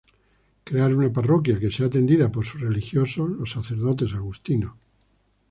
Crear una Parroquia que sea atendida por sus religiosos, los sacerdotes agustinos.